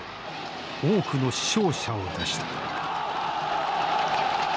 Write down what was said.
多くの死傷者を出した。